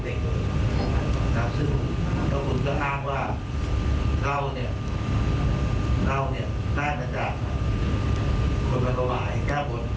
ซึ่งน้องกูก็อ้างว่าเล่าเนี่ยเล่าเนี่ยได้มาจากคนบรรควะไห้แก้วบน